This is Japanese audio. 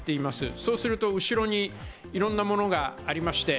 そうすると後ろにいろんなものがありまして。